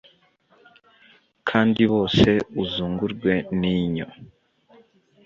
Kandi bose uzungurwe ninyo